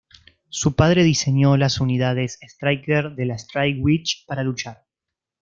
Su padre diseñó las Unidades Striker de las Strike Witches para luchar.